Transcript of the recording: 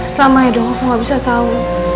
selama ya dong aku gak bisa tau